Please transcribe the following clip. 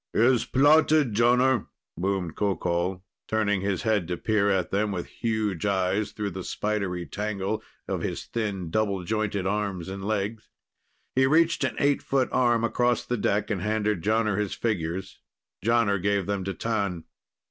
"Is plotted, Jonner," boomed Qoqol, turning his head to peer at them with huge eyes through the spidery tangle of his thin, double jointed arms and legs. He reached an eight foot arm across the deck and handed Jonner his figures. Jonner gave them to T'an.